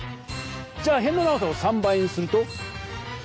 じゃあへんの長さを３倍にすると？